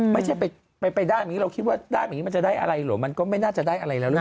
ไม่ได้หนิเราคิดว่าได้มันจะได้อะไรหรอมันก็ไม่ได้ได้อะไรแล้วนะ